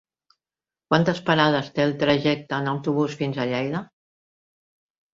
Quantes parades té el trajecte en autobús fins a Lleida?